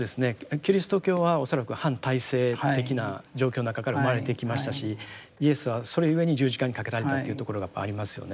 キリスト教は恐らく反体制的な状況の中から生まれてきましたしイエスはそれゆえに十字架にかけられたというところがやっぱりありますよね。